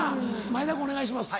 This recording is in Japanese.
前田君お願いします。